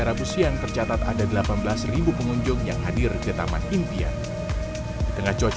rabu siang tercatat ada delapan belas pengunjung yang hadir ke taman impian di tengah cuaca